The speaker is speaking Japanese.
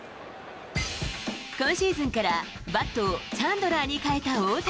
今シーズンからバットをチャンドラーに変えた大谷。